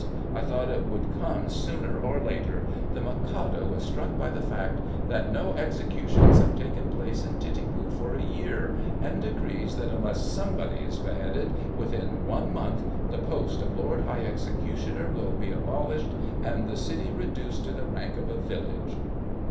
I thought it would come sooner or later! The Mikado is struck by the fact that no executions have taken place in Titipu for a year, and decrees that unless somebody is beheaded within one month the post of Lord High Executioner shall be abolished, and the city reduced to the rank of a village!